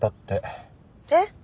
えっ！？